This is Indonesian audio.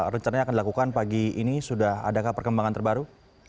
rencananya akan dilakukan pagi ini sudah adakah perkembangan terbaru